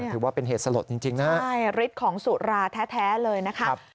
ถือว่าเป็นเหตุสลดจริงนะฮะใช่ฤทธิ์ของสุราแท้เลยนะครับ